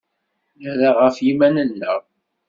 Nerra ɣef yiman-nneɣ.